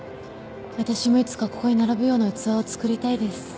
私もいつかここに並ぶような器を作りたいです。